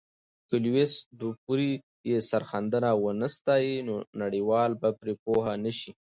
که لويس دوپري یې سرښندنه ونه ستایي، نو نړیوال به پرې پوه نه سي.